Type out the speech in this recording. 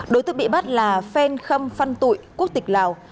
đối tượng bị bắt là phen khâm phăn tụi quốc tịch lào